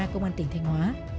công an tỉnh thanh hóa